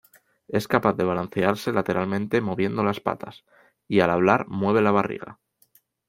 Es capaz de balancearse lateralmente moviendo las patas, y al hablar mueve la barriga.